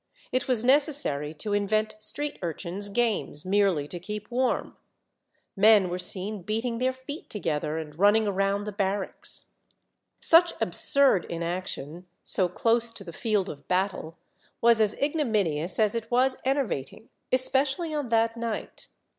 It was necessary to invent street urchins' games, merely to keep warm; men were seen beating their feet together, and running around the bar racks. Such absurd inaction, so close to the field of battle, was as ignominious as it was enervating, especially on that night.